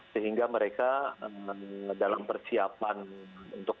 sehingga mereka dalam persiapan untuk